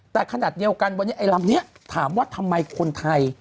แต่ขนาดเดียวกันวันนี้ไอ้ลำนี้ถามว่าทำไมคนไทย